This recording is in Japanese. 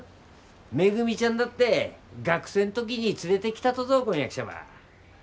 めぐみちゃんだって学生ん時に連れてきたとぞ婚約者ば。